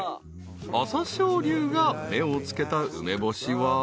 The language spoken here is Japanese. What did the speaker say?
［朝青龍が目を付けた梅干しは］